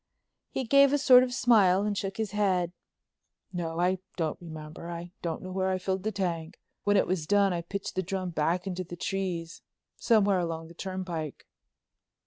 He gave a sort of smile and shook his head. "No, I don't remember. I don't know where I filled the tank. When it was done I pitched the drum back into the trees—somewhere along the turnpike."